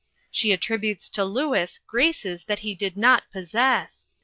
She attributes to Louis graces that he did not possess.